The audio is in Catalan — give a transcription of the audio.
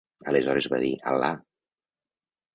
Aleshores va dir: "Al·là!".